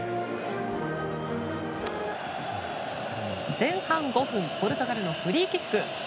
前半５分ポルトガルのフリーキック。